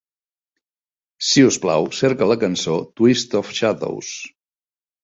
Si us plau, cerca la cançó "Twist of shadows.